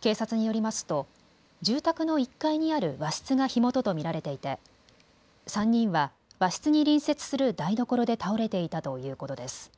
警察によりますと住宅の１階にある和室が火元と見られていて３人は和室に隣接する台所で倒れていたということです。